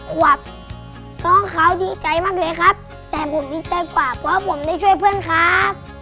ขวบน้องเขาดีใจมากเลยครับแต่ผมดีใจกว่าเพราะผมได้ช่วยเพื่อนครับ